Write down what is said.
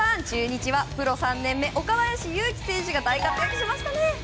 中日はプロ３年目岡林勇希選手が大活躍しましたね！